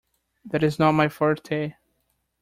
That is not my forte.